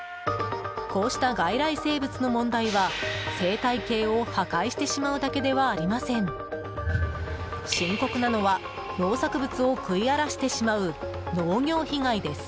こうした外来生物の問題は生態系を破壊してしまうだけではありません。深刻なのは、農作物を食い荒らしてしまう農業被害です。